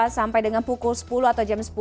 sampai dengan pukul sepuluh atau jam sepuluh